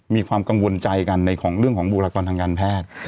มีความกังวลใจกันในของเรื่องของบุคลากรทางการแพทย์